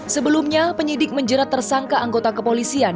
sebelumnya penyidik menjerat tersangka anggota kepolisian